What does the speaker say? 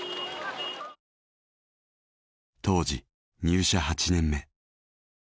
当時入社８年目。